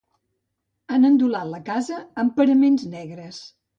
Han endolat la casa amb paraments negres.